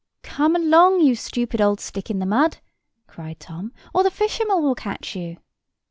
"Come along, you stupid old stick in the mud," cried Tom, "or the fisherman will catch you!"